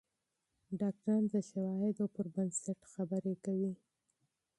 ډاکتران د شواهدو پر بنسټ خبرې کوي.